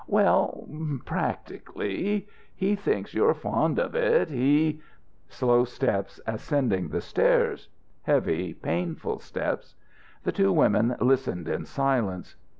"Well, practically. He thinks you're fond of it. He " Slow steps ascending the stairs heavy, painful steps. The two women listened in silence.